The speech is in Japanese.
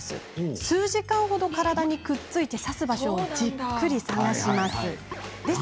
数時間ほど体にくっついて刺す場所をじっくり探すんです。